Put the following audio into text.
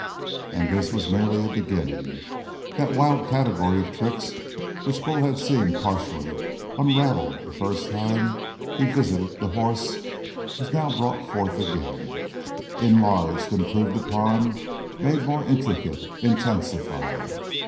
And this was merely a beginning. That wild category of tricks which Bull had seen partially unraveled the first time he visited the horse was now brought forth again, enlarged, improved upon, made more intricate, intensified.